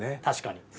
確かに。